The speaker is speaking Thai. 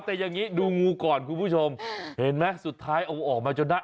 แต่อย่างนี้ดูงูก่อนคุณผู้ชมเห็นไหมสุดท้ายเอาออกมาจนได้